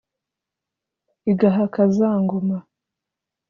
Igahaka za ngoma .